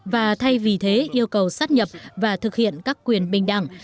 và thay vì thế yêu cầu sát nhập và thực hiện các quyền bình đẳng